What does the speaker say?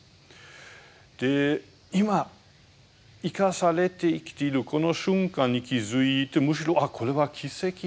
今生かされて生きているこの瞬間に気付いてむしろこれは奇跡だな